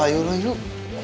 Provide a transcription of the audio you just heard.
ada itu toko siapa tuh